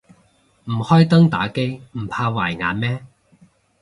唔開燈打機唔怕壞眼咩